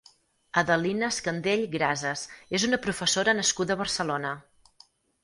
Adelina Escandell Grases és una professora nascuda a Barcelona.